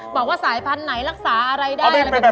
บอกว่าสายพันธุ์ไหนรักษาอะไรได้